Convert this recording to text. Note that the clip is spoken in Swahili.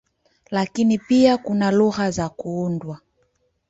Lakini pia kuna lugha za kuundwa.